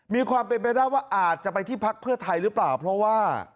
มีความเป็นไปได้ว่าอาจจะไปที่พักเพื่อไทยหรือเปล่าเพราะว่า